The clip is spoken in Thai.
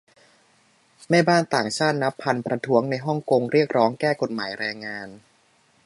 แม่บ้านต่างชาตินับพันประท้วงในฮ่องกงเรียกร้องแก้ กฎหมายแรงงาน